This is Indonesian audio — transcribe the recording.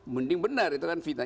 mending benar itu kan fitnah